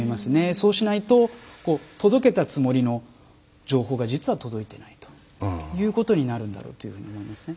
そうしないと届けたつもりの情報が実は届いていないということになるんだろうというふうに思いますね。